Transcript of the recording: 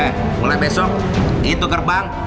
eh mulai besok itu gerbang itu gajinya